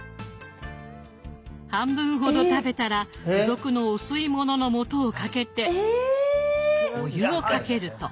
半分ほど食べたら付属のお吸いもののもとをかけてお湯をかけると。